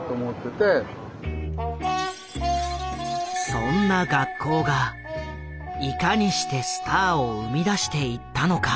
そんな学校がいかにしてスターを生み出していったのか。